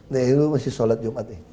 nih lu masih salat jumat nih